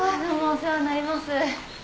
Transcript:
お世話になります。